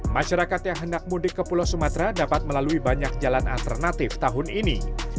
masyarakat yang hendak mudik ke pulau sumatera dapat melalui banyak jalan alternatif tahun ini